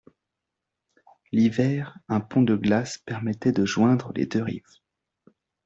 L'hiver, un pont de glace permettait de joindre les deux rives.